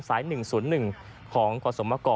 สาย๑๐๑ของกสมเกาะ